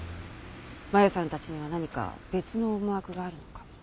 麻友さんたちには何か別の思惑があるのかも。